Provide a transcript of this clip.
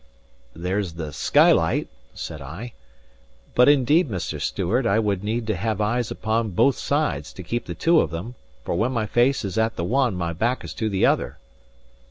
"There's the skylight," said I. "But indeed, Mr. Stewart, I would need to have eyes upon both sides to keep the two of them; for when my face is at the one, my back is to the other."